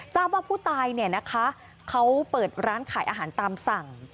ทราบว่าผู้ตายเขาเปิดร้านขายอาหารตามสั่ง